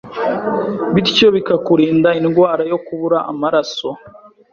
bityo bikarinda indwara yo kubura amaraso